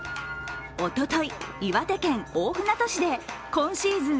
おととい、岩手県大船渡市で今シーズン